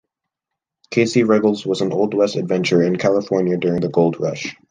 Casey Ruggles was an Old West adventurer in California during the Gold Rush.